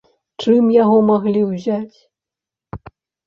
Чым яго маглі ўзяць?